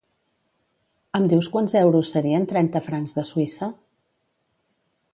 Em dius quants euros serien trenta francs de Suïssa?